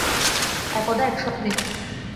একদা এক স্বপ্নে।